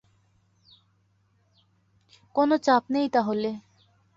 কোনো চাপ নেই, তাহলে।